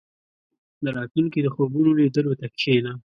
• د راتلونکي د خوبونو لیدلو ته کښېنه.